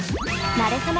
なれそめ！